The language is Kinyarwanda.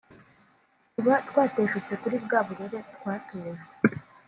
tuba twateshutse kuri bwa burere twatojwe